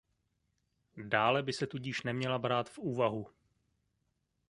Dále by se tudíž neměla brát v úvahu.